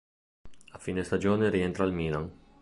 A fine stagione rientra al Milan.